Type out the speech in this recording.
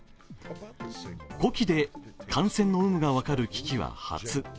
呼気で感染の有無が分かる機器は初。